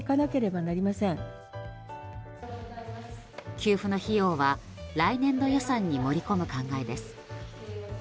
給付の費用は来年度予算に盛り込む考えです。